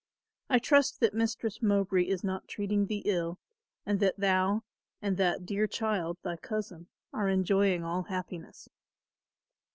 I trust that Mistress Mowbray is not treating thee ill and that thou and that dear child, thy cousin, are enjoying all happiness.